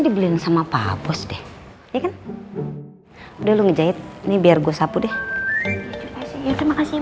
dibeliin sama pak bos deh udah lu jahit ini biar gue sapu deh ya udah makasih mbak